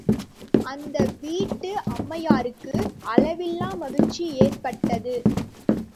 அந்த வீட்டு அம்மையாருக்கு அளவில்லா மகிழ்ச்சி ஏற்பட்டது.